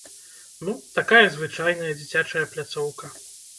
Ну, такая звычайная дзіцячая пляцоўка.